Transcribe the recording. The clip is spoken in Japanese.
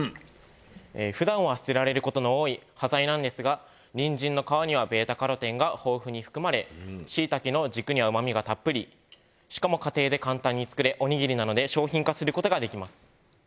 ふだんは捨てられることの多い端材なんですがニンジンの皮にはβ−カロテンが豊富に含まれしいたけの軸にはうま味がたっぷりしかも家庭で簡単に作れおにぎりなので商品化することができます。